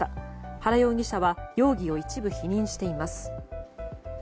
原容疑者は容疑を一部否認しています。